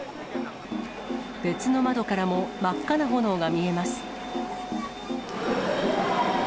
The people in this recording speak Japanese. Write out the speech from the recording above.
別の窓からも真っ赤な炎が見えます。